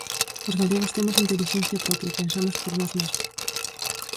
Os galegos temos intelixencia propia, pensamos por nós mesmos.